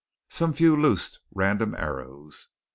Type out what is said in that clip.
Some few loosed random arrows.